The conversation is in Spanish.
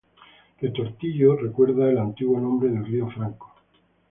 Retortillo recuerda el antiguo nombre del Río Franco.